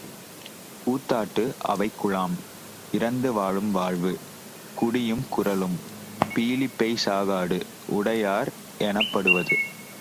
... கூத்தாட்டு அவைக்குழாம்... இரந்து வாழும் வாழ்வு... குடியும் குறளும்... பீலிபெய் சாகாடு... உடையர் எனப்படுவது?